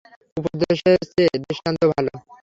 উপদেশের চেয়ে দৃষ্টান্ত ভাল।